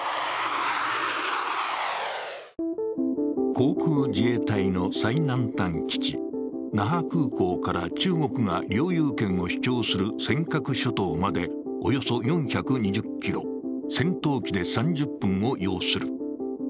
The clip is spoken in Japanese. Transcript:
航空自衛隊の最南端基地、那覇空港から中国が領有権を主張する尖閣諸島までおよそ４２０ｋｍ、戦闘機で３０分を要する。